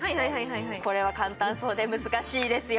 これは簡単そうで難しいですよ。